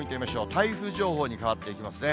台風情報に変わっていますね。